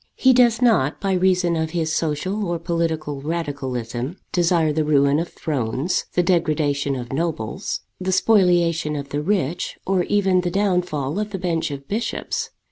He does not, by reason of his social or political radicalism, desire the ruin of thrones, the degradation of nobles, the spoliation of the rich, or even the downfall of the bench of bishops.